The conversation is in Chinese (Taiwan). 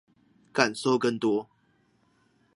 感受更多